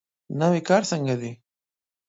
نوی کار څنګه دی؟